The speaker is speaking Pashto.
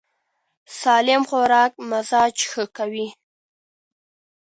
سالم خوراک مزاج ښه کوي.